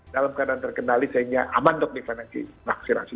dalam keadaan terkendali sehingga aman untuk divaksinasi vaksinasi